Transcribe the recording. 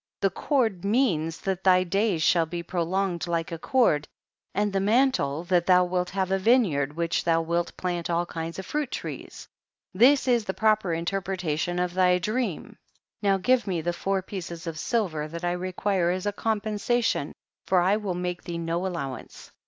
the cord means that thy days shall be prolonged like a cord, and the mantle, that thou wilt have a vineyard in which thou wilt plant all kinds of fruit trees. 39. This is the proper interpreta tion of thy dream, now give me the four pieces of silver that I require as a compensation, for I will make thee no allowance.